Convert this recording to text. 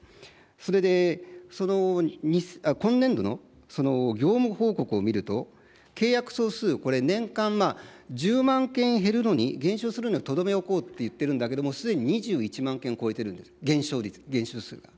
それで、今年度の業務報告を見ると、契約総数、これ、年間１０万件減るのに、減少するのにとどめおこうっていってるんだけども、すでに２１万件を超えてるんです、減少率、減少数が。